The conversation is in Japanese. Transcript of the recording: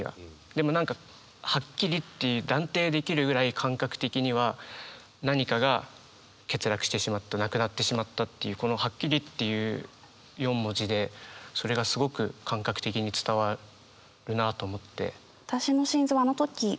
でも何かはっきりって断定できるぐらい感覚的には何かが欠落してしまったなくなってしまったっていうこの「はっきり」っていう４文字でそれがすごく感覚的に伝わるなと思って。